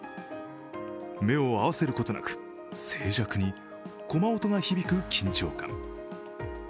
目を合わせることなく、静寂に駒音が響く緊張感。